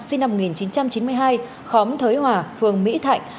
sinh năm một nghìn chín trăm chín mươi hai khóm thới hòa phường mỹ thạnh